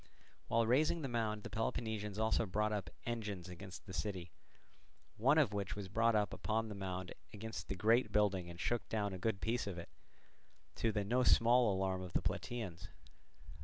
While raising the mound the Peloponnesians also brought up engines against the city, one of which was brought up upon the mound against the great building and shook down a good piece of it, to the no small alarm of the Plataeans.